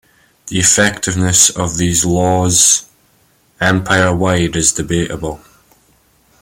The effectiveness of these laws empire-wide is debatable.